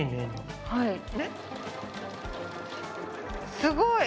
すごい！